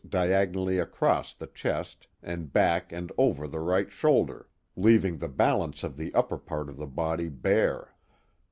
44 The Mohawk Valley ^^^| diagonally across the chest and back and over the right shonl der, leaving the balance of the upper part of the body bare.